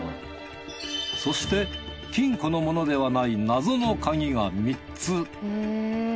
そして金庫のものではない謎の鍵が３つ。